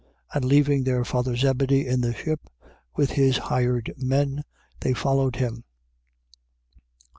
And leaving their father Zebedee in the ship with his hired men, they followed him.